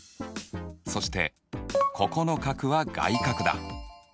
そしてここの角は外角だ。